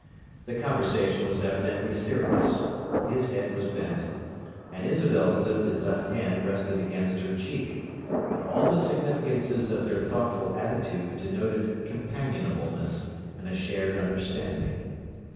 The conversation was evidently serious; his head was bent, and Isabel's lifted left hand rested against her cheek; but all the significances of their thoughtful attitude denoted companionableness and a shared understanding.